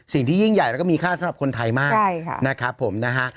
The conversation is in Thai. สิ่งที่ยิ่งใหญ่และมีค่าสำหรับคนไทยมากนะครับผมนะฮะ